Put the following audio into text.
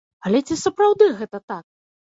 Але ці сапраўды гэта так?